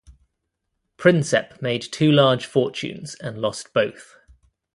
Prinsep made two large fortunes and lost both.